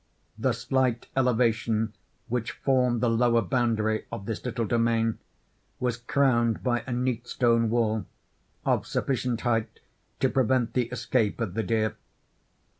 The slight elevation which formed the lower boundary of this little domain, was crowned by a neat stone wall, of sufficient height to prevent the escape of the deer.